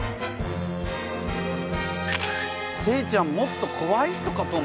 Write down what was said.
西ちゃんもっとこわい人かと思った。